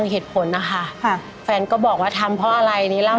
๙เดือนก็นาน